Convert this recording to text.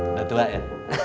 udah tua ya